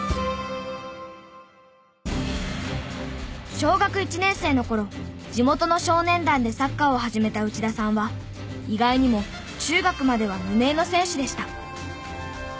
小学１年生の頃地元の少年団でサッカーを始めた内田さんは意外にも中学までは無名の選手でした。